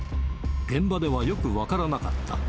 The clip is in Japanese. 現場ではよく分からなかった。